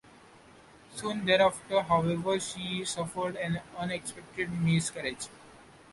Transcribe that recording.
Soon thereafter, however, she suffered an unexpected miscarriage.